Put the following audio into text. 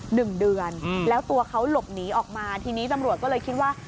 หนึ่งเดือนอืมแล้วตัวเขาหลบหนีออกมาทีนี้ตำรวจก็เลยคิดว่า